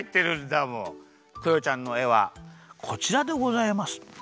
クヨちゃんのえはこちらでございます。